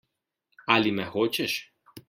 Ali me hočeš?